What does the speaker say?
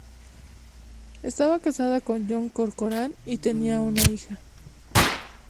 Estaba casada con John Corcoran y tenía una hija.